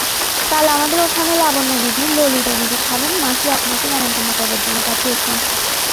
কাল আমাদের ওখানে লাবণ্যদিদি ললিতাদিদি খাবেন, মাসি আপনাকে নেমন্তন্ন করবার জন্যে পাঠিয়েছেন।